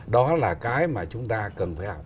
đó là cái mà chúng ta cần phải học